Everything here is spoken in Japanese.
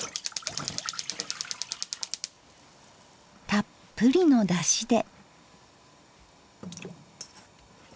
たっぷりのだしで。